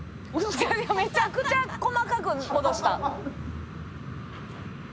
「めちゃくちゃ細かく戻した！」